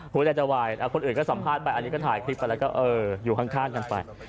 หัวใจจะวายคนอื่นก็สัมภาษณ์ไปอันนี้ก็ถ่ายคลิปไปแล้วก็อยู่ข้างกันไป